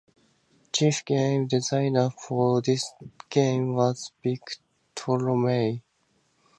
Chief game designer for this game was Vic Tolomei.